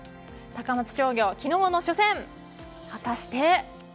高松商業、昨日の初戦果たして。